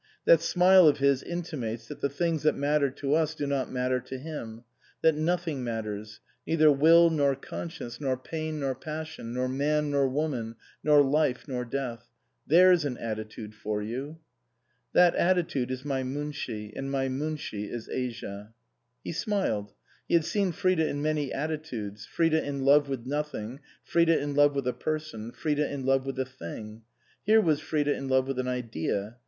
That smile of his intimates that the things that matter to us do not matter to him ; that nothing matters neither will nor conscience, nor pain nor passion, nor man nor woman, nor life nor death. There's an attitude for you !" That attitude is my Munshi, and my Munshi is Asia." He smiled. He had seen Frida in many atti tudes, Frida in love with nothing, Frida in love with a person, Frida in love with a thing. Here was Frida in love with an idea.